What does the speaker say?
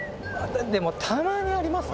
でもたまにありますね。